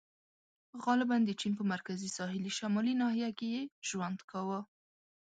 • غالباً د چین په مرکزي ساحلي شمالي ناحیه کې یې ژوند کاوه.